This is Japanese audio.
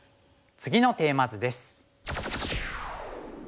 次のテーマ図です。